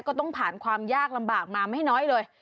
ก็ต้องผ่านความยากลำบากมาไม่น้อยเลย